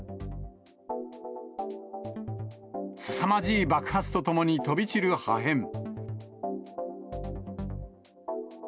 すさまじい爆発とともに飛び散る破片。